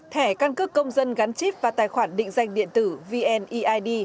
thẻ căn cước công dân gắn chip và tài khoản định danh điện tử vneid